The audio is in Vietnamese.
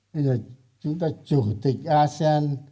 bây giờ chúng ta chủ tịch asean